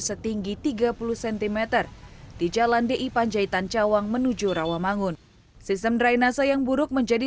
setinggi tiga puluh cm di jalan di panjaitan cawang menuju rawamangun sistem drainase yang buruk menjadi